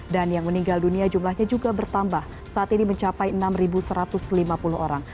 dan yang meninggal dunia jumlahnya juga bertambah saat ini mencapai enam satu ratus lima puluh orang